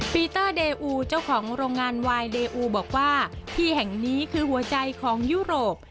ปีเตอร์เดอูเจ้าของโรงงานวายเดอูบอกว่าที่แห่งนี้คือหัวใจของยุโรป